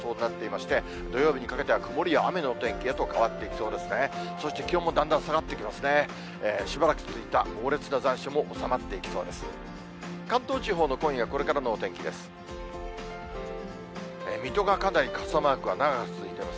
しばらく続いた猛烈な残暑も収まっていきそうです。